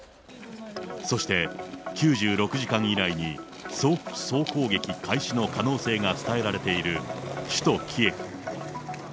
そして９６時間以内に総攻撃開始の可能性が伝えられている首都キエフ。